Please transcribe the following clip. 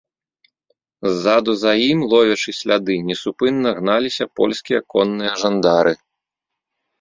Ззаду за ім, ловячы сляды, несупынна гналіся польскія конныя жандары.